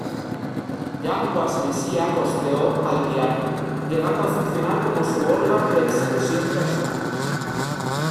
Yanguas Messía costeó al diario, llegando a funcionar como su órgano de expresión personal.